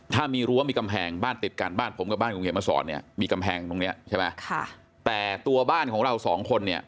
ถ้ามีรั้วมีกำแหงบ้านติดกันบ้านผมกับบ้านคุณเหยียบมาสอนเนี่ย